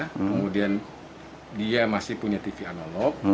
kemudian dia masih punya tv analog